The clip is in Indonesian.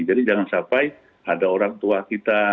jadi jangan sampai ada orang tua kita yang berpikir